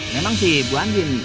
memang si mbak andien